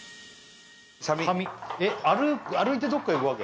寒いっ歩いてどっか行くわけ？